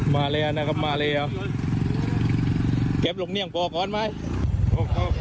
มาแล้วนะครับมาแล้วแก๊ปลงเนียงพอก่อนไหม